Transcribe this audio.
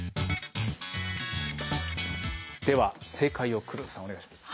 では正解を黒田さんお願いします。